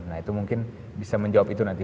nah itu mungkin bisa menjawab itu nanti